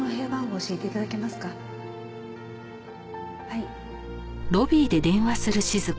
はい。